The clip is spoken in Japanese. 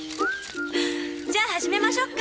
じゃあ始めましょうか。